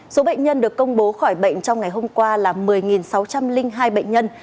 số bệnh nhân được công bố khỏi bệnh trong ngày hôm qua là một mươi sáu trăm linh hai bệnh nhân